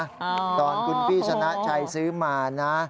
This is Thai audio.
อ๋อโอ้โฮตอนคุณพี่ชนะชัยซื้อมานะ